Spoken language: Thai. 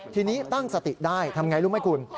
ทีนี้ตั้งสติได้ทำไงรู้ไหมคุณ